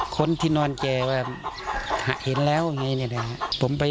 ก่อนไปก็แฟวและรถฟานไป